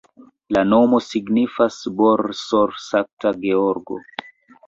La nomo signifas Borsod-Sankta Georgo.